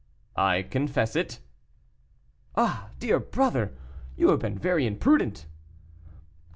"I confess it." "Ah, dear brother, you have been very imprudent."